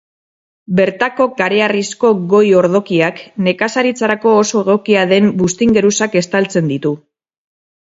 Bertako kareharrizko goi-ordokiak nekazaritzarako oso egokia den buztin-geruzak estaltzen ditu.